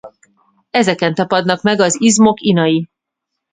Ezeken tapadnak meg az izmok inai.